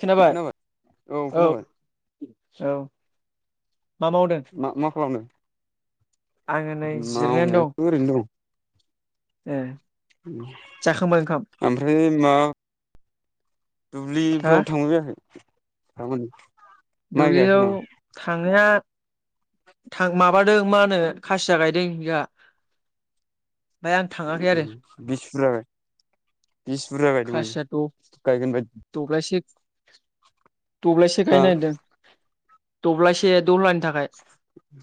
खोनाबाय औ। औ। मा मावदों मा मा खालामदों? आङो नै जिरायनानै दं मावनायाथ' ओरैनो दं। ए। ओम जाखांबाय ओंखाम ओमफ्राय मा हा दुब्लिफ्राव थांबाय बायाखै? [unintelligible] माइ गायाखै दुब्लियाव थांनाया थां माबादों मा होनो खासिया गायदों जोंहा। ओमफ्राय आं थाङाखै आरो बिसि बुरजा बिस बुरजा गायदोंबादि खासिया गायगोन बायदि? द से दब्लायसे हा गायनो नागिरदों। दब्लायसे दह्लानि थाखाय। उम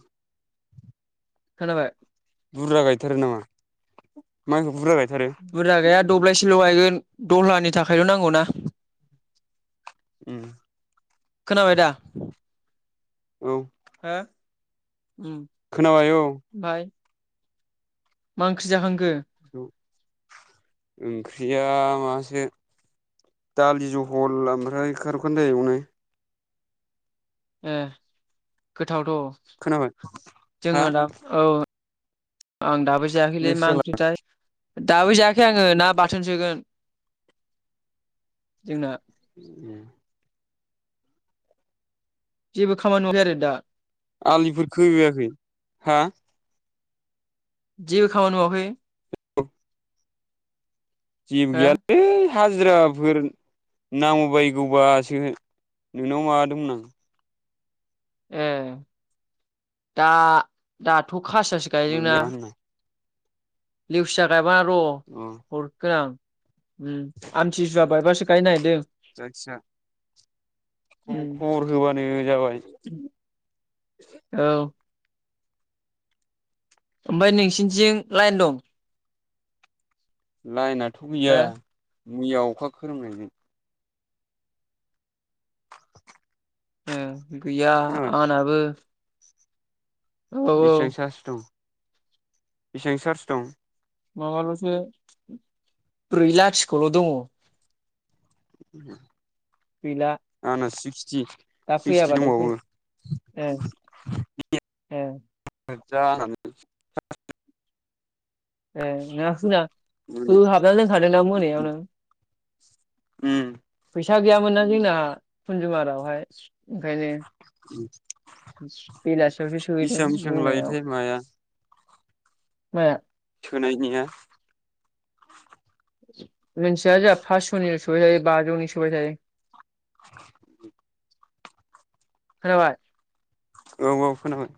खोनाबाय बुरजा गायथारो नामा माइखौ बुरजा गायथार बुरजा गैया दब्लायसेल गायगोन दहलानि थाखायल नांगौ ना उम खोनाबाय दा औ हो उ खोनाबाय औ बाय मा ओंख्रि जाखांखो ओंख्रिया माबासो दालि जहल ओमफ्राय खारुं खान्दार एवनाय [unintelligible] गोथावथ खोनाबाय हा जोङो दा औ आं दाबो जायाखैलै मा नोंस्रालाय ओंख्रिथाय दाबो जायाखै आङो ना बाथोन सोगोन जोंना [unintelligible] जेबो खामानि मावाखै आरो दा आलिफोर खोहैयाखै हा जिबो खामानि मावाखै जिबो हो गैयालै हाजिराफोर नांगौबायगौबासो नोंनाव माबा दोंमोन आं ए दा दाथ खासियासो गायो जोंना मोनबाय होनना [unintelligible] बार अ हरगोन आं उम आमथि सुवा बायबासो गाय नायदो [unintelligible] उम खबर होबानो जाबाय औ ओमफ्राय नोंसिनिथिं लाइन दं लायना थ गैया हो मैया अखा खोरोमनायजों ओ गैया खोनाबाय आनाबो बेसेबां सारस दं? बेसेबां सार्स दं? माबाल'सो ब्रै लाखिखल' दङ। गैला आंना सिक्स दा फैयाबाथाय सेस सेस सेस। होद जालानो [unintelligible] ए नोंना [unintelligible] मोनायाव होहाबना दोनखादोंना मोनायावनो उम। फैसा गैयामोनना जोंना कुनजुमारावहाय? ओंखायनो बेलासेआवसो सोहैदों बेसेबां बेसेबां बुंनायाव लायोथाय माया माया? होनायनिया मोनथिया जाहा फासस'नि सोबाय थायो बाजौनि सोबाय थायो। [inaudible] खोनाबाय? औ औ खोनाबाय।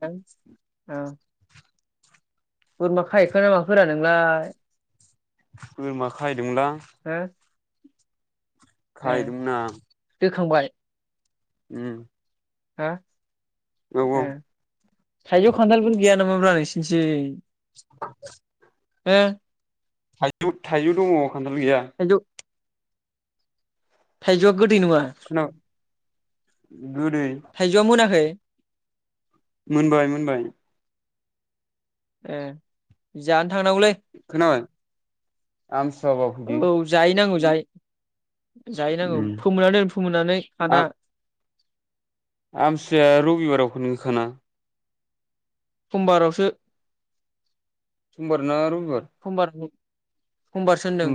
[unintelligible] ओ। बोरमा खाहैखोना माखोरा नोंलाय? बोरमा खाहैदोंमोनलां। हो ए खाहैदोंमोन आं दोखांबाय? उम। हा? औ औ। थाइजौ खान्थालफोर गैया नामाब्रा नोंसिनिथिं? [inaudible] हो? थाइजौ थाइजौ दङ। खान्थाल गैया। थायजौ गोदै नङा खोनाबाय गोदै थाइजौआ मोनाखै? मोनबाय मोनबाय। ए जा नो थांनांगौलै खोनाबाय आमथिसुवाबा फैदो औ जाहैनांगौ। जाहै जाहैनांगौ उम फोमोनना दोन फोमोननानै हाना। आमसिसुआया रबिबाराव नो खाना? समबारावसो। समबार ना रबिबार? समबार सो होनदों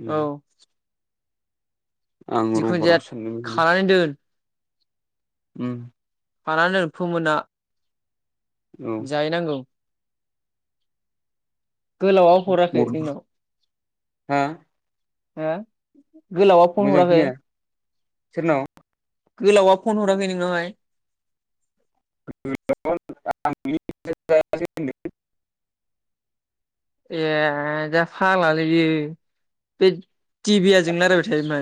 उम औ आं जिखुन रबिबाराव जाया सानदों बेखौनो खानानै दोन। उम। खानानै दोन फोमोनना। औ जायैनांगौ। गोलावाव हराखै गथ'फोर नोंनाव। हा। हा। गोलावा फन मोजां हराखै। खोनाया सोरनाव। गोलावा फन हराखै नोंनावहाय। [inaudible] ए दा फालालै बियो। बे टिभिआ जों रायलायबाय थायोमा।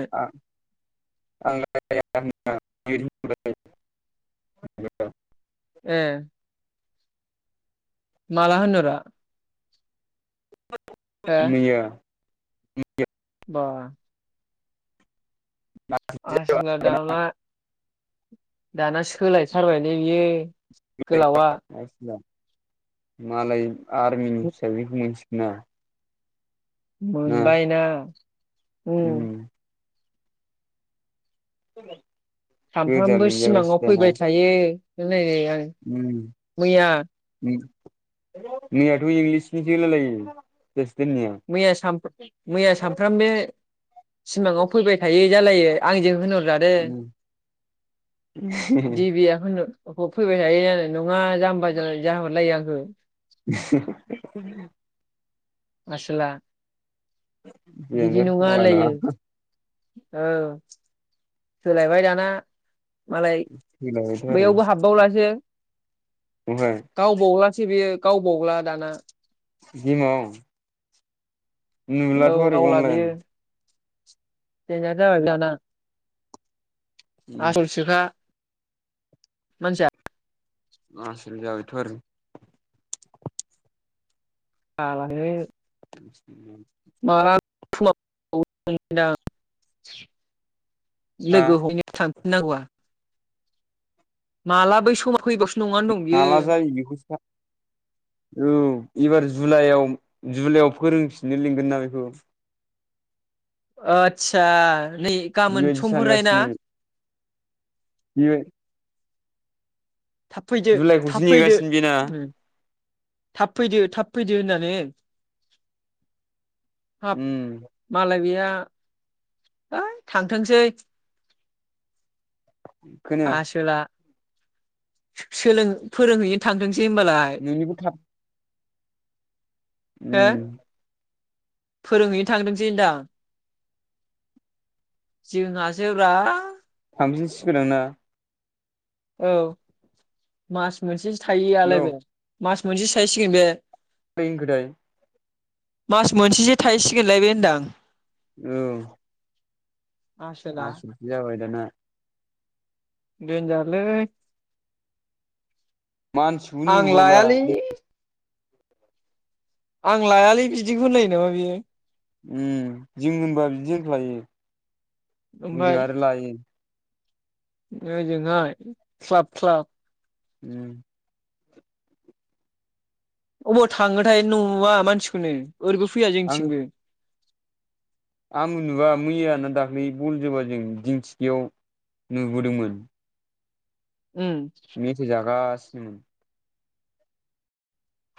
[unintelligible] ए मालाह होनहरा। हो [inaudible] मैया मैया। बाह। आसोनला दाबला दाना। सोलायथारबायलै बियो। गोलावा [inaudible] मालाय। आरमिनि फिसाजोखौ मोनसिगोन। ना। मोनबायना। उम [unintelligible] गोजा सानफ्रामबो सिमाङाव लिंजागासिनो दाना फैबाय थायो। उम उम [unintelligible] मैयाथ' इंलिसनिसो होलायलायो। दोननिया उम मैया मैया सामफ्रामबो सिमाङाव फैबाय थायो जालायो आंजों होनहरजादों देबिया होनर [unintelligible] फैबाय थायो आरो। नङा जाम्बा जा जाहरलायो आं ओ [unintelligible] आसोला। बिदि नङा होनलायो [unintelligible] औ सोलायबाय दाना। मालाय फैलायबायथ' आरो बैयावबो हाबबावलासो। ओमफ्राय गाव बावलासो बियो। गाव बावला दाना। [unintelligible] औ नुलाथ' आरो अनलाइन। [unintelligible] आसलसोखा। मानसिया आसोल जाबाय थो आरो। [unintelligible] [inaudible] माला [unintelligible] [unintelligible] हा लोगो हमनो थांफिननांगौआ। माला बै समा फैबावसो नङानो दं बियो माला जायो बेखौ [inaudible] औ एबार जुलाइआव जुलाइआव फोरोंफिननो लिंगोन ना बेखौ आतसा। नै गाबोन बेबायदि समफोराय ना बियो थाब फैदो जुलाइखौसो थाब फैदो नेगासिनो बेना थाब फैदो होननानै हाब उम मालाय बेहा है थांथोंसै। खोनाया आसोला। सोलों फोरोंहैनो थांथों सै ओमबालाय। नोंनिखौ थाब उम फोरोंहैनो थांदोंसै होनदां जोंहासो ब्रा थांफिनसिगोनदां ना औ मास मोनसे हेल' थायोयालाय बोरै बे मास मोनसे साहैसिगोन बे [unintelligible] मास मोनसेसो थाहैसिगोनलाय बे होनदां औ आसोला आसोलसो जाबाय दा ना डेनजार लै मानसिखौनो आं नुबावला लायालै आं लायालै बिदिखौ होनलायो नामा बियो उम जों होनबा बिदि होनफ्लायो ओमफाय ओजों आरो लायो ओजोंहाय ख्लाब ख्लाब उम अबाव थांङोथाय नुवा मानसिखौनो ओरबो फैया जोंथिंबो आंबो नुबा मैया होनना दाख्लै बल जोबा जों दिंथिखियाव नुबोदोंमोन उम मिथाय जागासिनो उम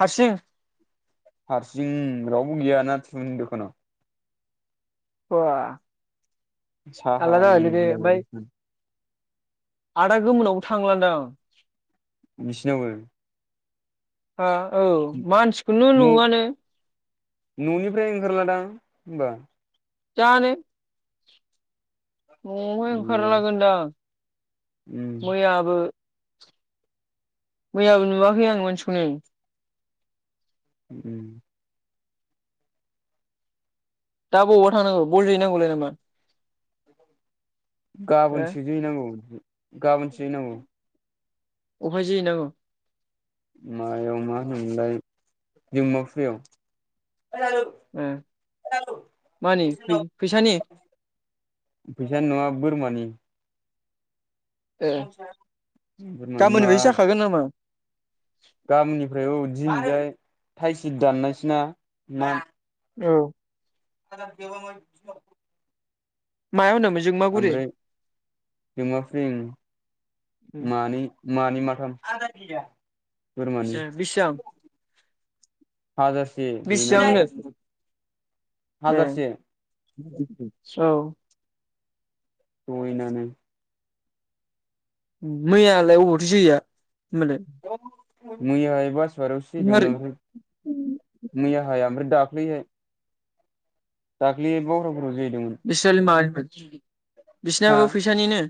हारसिं हारसिं रावबो गैया नाथुरमोननि दुखानाव बा साहा आलदा जाबायलै बे लोंलाय ओमफ्य बावदोंसो आदा गोमोनावबो थांलांदां बिसिनावबो हा औ मानसिखौनो न' नुवानो न'निफ्राय ओंखारलादां होनबा जानो न‌वावहाय ओंखारा लागोन दां उम मयाबो मैयाबो नुवाखै आं मासिखौनो उम दा बबावबा थांनांगौ बल जैहैनांगौलाय नामा हो गाबोनसो गेले नांगौ। गाबोनसै नांगौ अफहाय जोहै नांगौ? मायाव मा होनोमोनलाय दिमाफुयाव ए मानि फै-फैसानि? फैसानि नङा बोरमानि ए गाबोननिफ्रायसो जाखागोन नामा? गामिनिफ्रायबो दिनिजाय थाइसु दाननायसोना ना? औ [inaudible] मायाव होनदों ओमफ्राय जोंमाफुरि मानै मानै माथाम। गैया ए बिसिबां? हाजारसे [unintelligible] ए हाजारसे औ दयनानो मैयालाय अबावथ' जैया होनबालाय मैया एबा [unintelligible] मैयाहाय ओमफ्राय दाख्लैहाय दाखलि बाव [unintelligible] [unintelligible] हा बिसिनाबो फैसानिनो?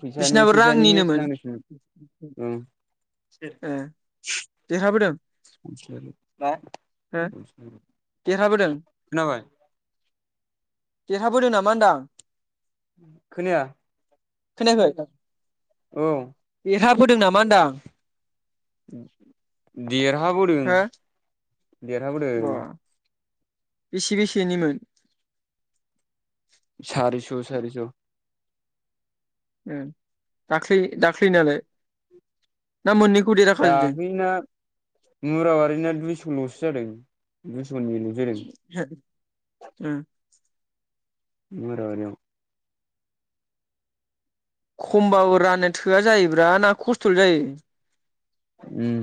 फैसानि बिसिनाबो फैसानि मेस रांनिनोमोन नांनो सिमोन ए देरहाबोदों ओं हो देरहाबोदों। देरहाबोदों नामा होनदां? खोनाया खोनायाखै? औ देरहा बोदों नामा होनदां। देरहाबोदों। हो देरहाबोदों। बा बेसे बेसेनिमोन। सारिस' थु सारि स। ओ दाख्लै दाख्लैनालाय। ना मोननैखौ देरहाखाजोबदों दाख्लैना मुराबारिना दुइस'ल'सो जादों। [inaudible] जादों हो ओ। मुराबारियाव। खमबाबो राननो थोआ जायोब्रा ना खस्थ'ल' जायो। उम।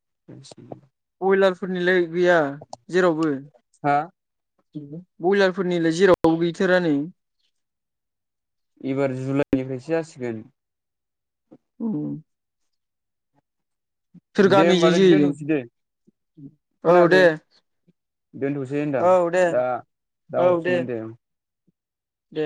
[unintelligible] बयलारफोरनिलै। गैया जेरावबो। हा ब्रयलार फोरनिलाय जेराव गैथारा नै। एबार जुलाइनिफ्रायसो जासिगोन। उम। दे होमबालाय जोरिजों दोनथ'सै दै। औ दे खोनायाखै? दोनथ'सै होनदां औ दे दा दा हरफिनगोन दे उम। दे।